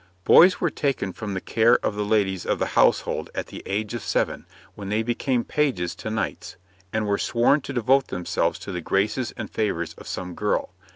Boys were taken from the care of the ladies of the household at the age of seven, when they became pages to knights, and were sworn to devote themselves to the graces and favours of some girl.